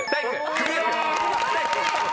［クリア！］